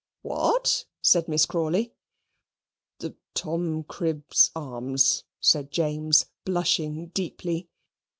"What!" said Miss Crawley. "The Tom Cribb's Arms," said James, blushing deeply.